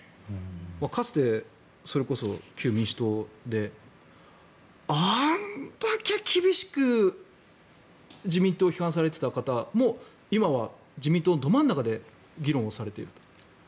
かつて旧民主党であんだけ厳しく自民党を批判されてた方も今は自民党のど真ん中で議論をされていると。